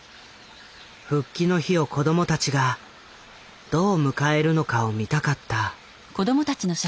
復帰の日を子どもたちがどう迎えるのかを見たかった。